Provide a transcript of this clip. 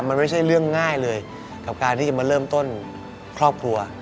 มันไม่ใช่เรื่องง่ายเลยกับการที่จะมาเริ่มต้นครอบครัว